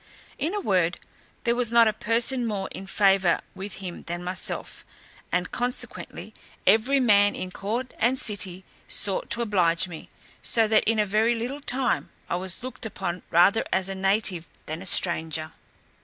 In a word, there was not a person more in favour with him than myself; and, consequently, every man in court and city sought to oblige me; so that in a very little time I was looked upon rather as a native than a stranger.